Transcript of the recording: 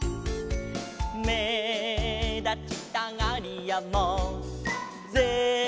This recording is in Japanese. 「めだちたがりやもぜひどうぞ」